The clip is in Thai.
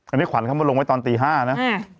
อันนี้ขวัญเขามาลงไว้ตอนตี๕นะ